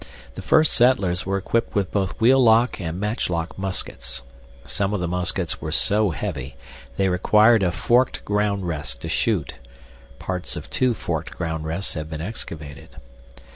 The first settlers were equipped with both wheel lock and matchlock muskets. Some of the muskets were so heavy, they required a forked ground rest to shoot (parts of two forked ground rests have been excavated).